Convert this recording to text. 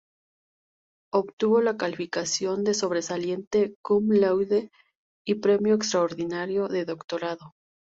Obtuvo la calificación de Sobresaliente Cum Laude y Premio Extraordinario de Doctorado.